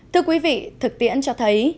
thưa quý vị thực tiễn cho thấy